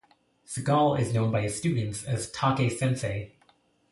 Seagal is known by his students as Take Sensei.